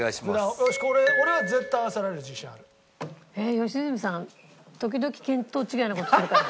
良純さん時々見当違いな事するから。